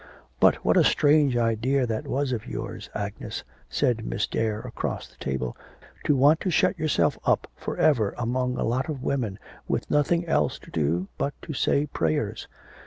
'But what a strange idea that was of yours, Agnes,' said Miss Dare across the table, 'to want to shut yourself up for ever among a lot of women, with nothing else to do but to say prayers.'